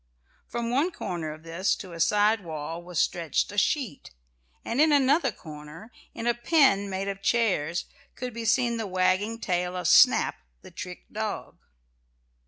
From one corner of this to a side wall was stretched a sheet, and in another corner, in a pen made of chairs, could be seen the wagging tail of Snap, the trick dog.